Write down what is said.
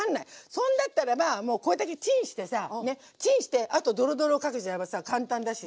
そんだったらばもうこれだけチンしてさチンしてあとドロドロかけちゃえばさ簡単だしさ。